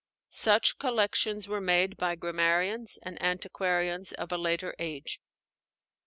Such collections were made by grammarians and antiquarians of a later age.